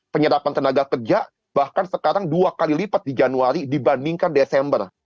penyerapan tenaga kerja bahkan sekarang dua kali lipat di januari dibandingkan desember